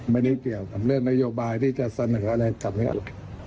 ไม่ได้เกี่ยวกับเรื่องนโยบายที่จะเสนออะไรกับเรื่องอะไร